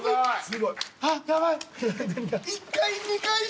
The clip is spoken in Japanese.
ああやばい。